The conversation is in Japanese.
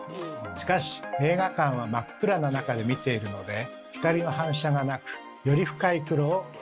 しかし映画館は真っ暗な中で見ているので光の反射がなくより深い黒を表現できます。